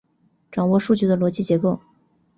掌握数据的逻辑结构